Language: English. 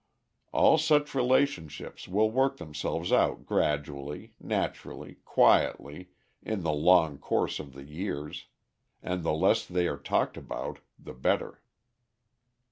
All such relationships will work themselves out gradually, naturally, quietly, in the long course of the years: and the less they are talked about the better.